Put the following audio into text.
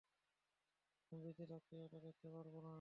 আমি বেঁচে থাকতে এটা দেখতে পারব না।